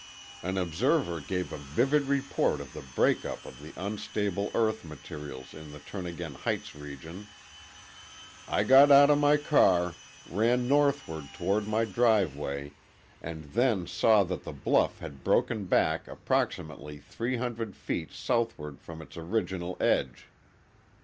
An observer gave a vivid report of the breakup of the unstable earth materials in the Turnagain Heights region: _I got out of my car, ran northward toward my driveway, and then saw that the bluff had broken back approximately 300 feet southward from its original edge.